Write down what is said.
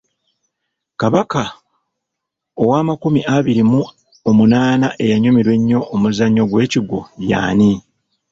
Kabaka ow’amakumi abiri mu omunaana eyanyumirwa ennyo omuzannyo gw’ekigwo y'ani?